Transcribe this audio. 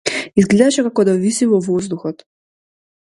Изгледаше како да виси во воздухот.